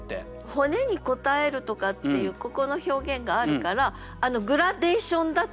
「骨にこたへる」とかっていうここの表現があるからグラデーションだと。